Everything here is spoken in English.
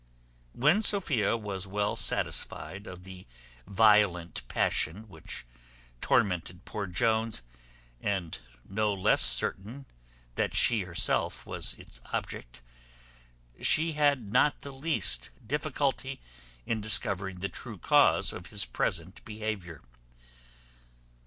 When Sophia was well satisfied of the violent passion which tormented poor Jones, and no less certain that she herself was its object, she had not the least difficulty in discovering the true cause of his present behaviour.